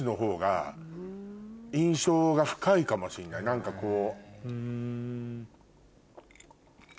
何かこう。